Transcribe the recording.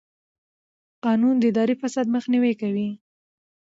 قانون د اداري فساد مخنیوی کوي.